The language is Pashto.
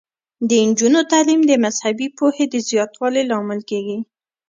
د نجونو تعلیم د مذهبي پوهې د زیاتوالي لامل کیږي.